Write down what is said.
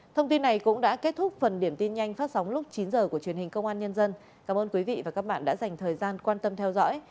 thông tin này cũng đã kết thúc phần điểm tin nhanh phát sóng lúc chín h của truyền hình công an nhân dân cảm ơn quý vị và các bạn đã dành thời gian quan tâm theo dõi